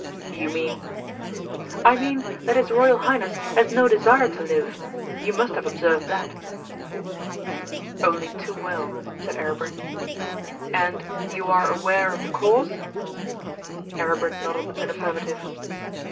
'You mean ?' 'I mean that his Royal Highness has no desire to live. You must have observed that.' 'Only too well,' said Aribert. 'And you are aware of the cause?' Aribert nodded an affirmative.